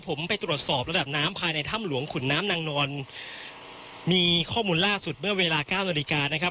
ผมไปตรวจสอบระดับน้ำภายในถ้ำหลวงขุนน้ำนางนอนมีข้อมูลล่าสุดเมื่อเวลาเก้านาฬิกานะครับ